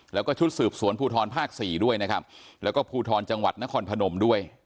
แล้วก็ชุดสืบสวนภูทรภาคสี่ด้วยนะครับแล้วก็ภูทรจังหวัดนครพนมด้วย